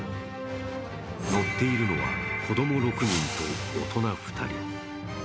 乗っているのは子供６人と大人２人。